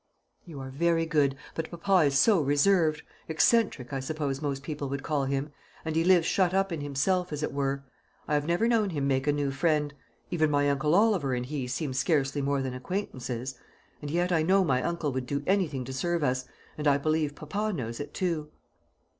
"You are very good, but papa is so reserved eccentric, I suppose most people would call him and he lives shut up in himself, as it were. I have never known him make a new friend. Even my uncle Oliver and he seem scarcely more than acquaintances; and yet I know my uncle would do anything to serve us, and I believe papa knows it too."